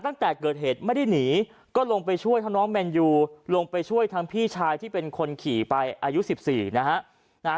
ตั้งแต่เกิดเหตุไม่ได้หนีก็ลงไปช่วยทั้งน้องแมนยูลงไปช่วยทั้งพี่ชายที่เป็นคนขี่ไปอายุ๑๔นะฮะ